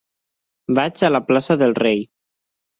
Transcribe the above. Vaig a la plaça del Rei.